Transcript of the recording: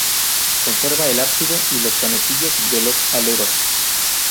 Conserva el ábside y los canecillos de los aleros.